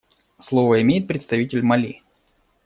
Слово имеет представитель Мали.